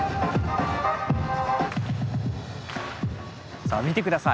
さあ見て下さい。